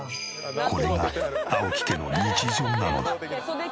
これが青木家の日常なのだ。